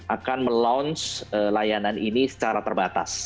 akan meluun layanan ini secara terbatas